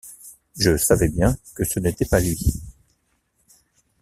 Je savais bien que ce n’était pas lui.